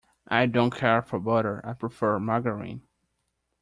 I don’t care for butter; I prefer margarine.